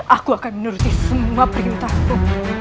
aku akan menuruti semua perintahku